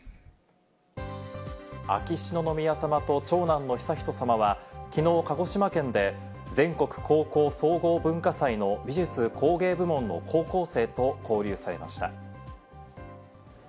秋篠宮さまと、長男の悠仁さまは、きのう鹿児島県で全国高校総合文化祭の美術・工芸部門の高校生と交流されました。